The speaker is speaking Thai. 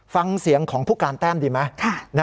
ฟังเสียงของผู้การแต้มดีไหม